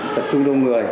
tập trung đông người